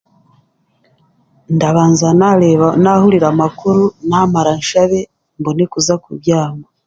Ndabanza naareeba naahurira amakuru naamara nshabe mbone kuza kubyama.